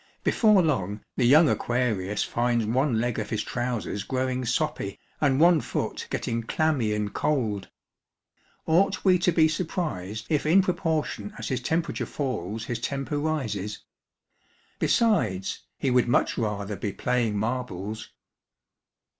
Before long, the young Aquarius finds one leg of his trousers growing soppy, and one foot getting clammy and cold. Ought we to be surprised if in proportion as his temperature falls his temper rises ? Besides, he would much rather be playing marbles.